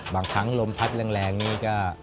บางครั้งลมพัดแรงนี่ก็